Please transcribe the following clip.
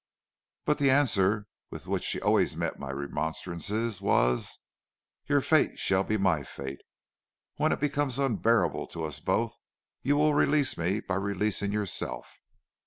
"But the answer with which she always met my remonstrances was, 'Your fate shall be my fate. When it becomes unbearable to us both you will release me by releasing yourself.'